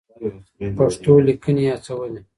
پښتو ليکنې يې هڅولې.